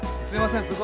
すいません。